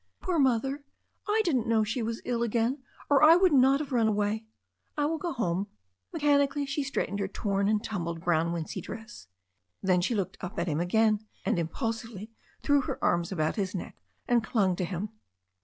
"Poor mother. I didn't know she was ill again, or I would not have run away. I will go home." Mechanically she straightened her torn and tiunbled brown wincey dress. Then she looked up at him again, and impulsively threw her arms about his neck and clung to him.